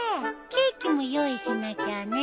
ケーキも用意しなきゃね。